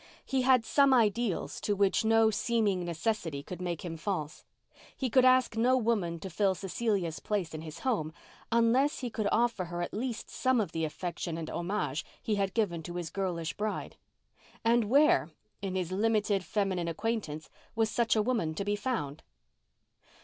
He had some ideals to which no seeming necessity could make him false. He could ask no woman to fill Cecilia's place in his home unless he could offer her at least some of the affection and homage he had given to his girlish bride. And where, in his limited feminine acquaintance, was such a woman to be found?